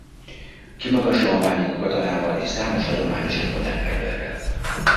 Kimagaslóan bánik a katanával és számos hagyományos és modern fegyverrel.